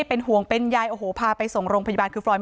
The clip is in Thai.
ที่โพสต์ก็คือเพื่อต้องการจะเตือนเพื่อนผู้หญิงในเฟซบุ๊คเท่านั้นค่ะ